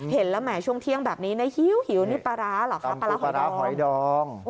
เห็นแล้วแหมช่วงเที่ยงแบบนี้นะหิวนี่ปลาร้าเหรอคะปลาร้าปลาร้าหอยดอง